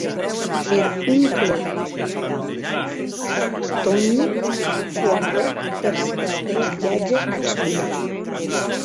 Er oncle Tònho guardèc per darrèr viatge ath sòn hilh.